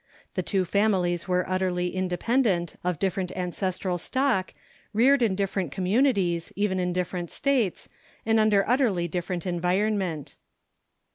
The two families were utterly independent, of different ancestral stock, reared in different communities, even in different States, and under utterly different environment.